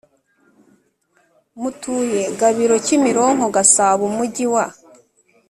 mu utuye GabiroKimironko Gasabo Umujyi wa